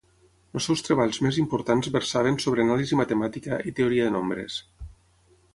Els seus treballs més importants versaven sobre anàlisi matemàtica i teoria de nombres.